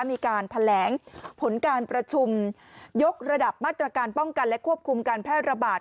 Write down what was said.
มีการแถลงผลการประชุมยกระดับมาตรการป้องกันและควบคุมการแพร่ระบาด